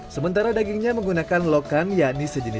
sementara dagingnya menggunakan lokan